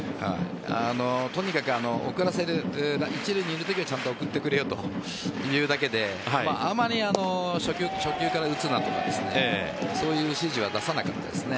とにかく一塁にいるときはちゃんと送ってくれよというだけであまり初球から打つという指示は出さなかったです。